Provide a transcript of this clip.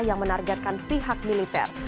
yang menargetkan pihak militer